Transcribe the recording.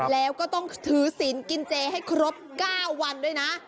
แล้วก็ต้องถือศีลกินเจให้ครบ๙วันด้วยนะ